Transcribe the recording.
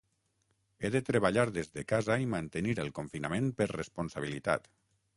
He de treballar des de casa i mantenir el confinament per responsabilitat.